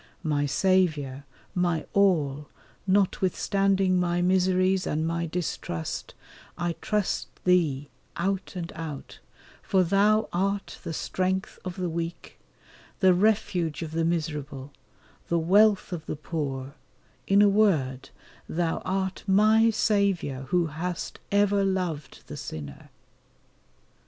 My Saviour, my all, notwithstanding my miseries, and my distrust, I trust Thee out and out, for Thou art the strength of the weak, the refuge of the miserable, the wealth of the poor, in a word Thou art my Saviour, who hast ever loved the sinner.